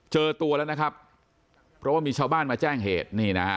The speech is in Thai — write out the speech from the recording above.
เจอตัวแล้วนะครับเพราะว่ามีชาวบ้านมาแจ้งเหตุนี่นะฮะ